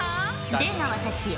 出川たちよ